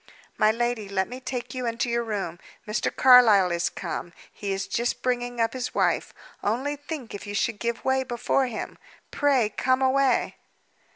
"My lady, let me take you into your room. Mr. Carlyle is come; he is just bringing up his wife. Only think if you should give way before him! Pray come away!"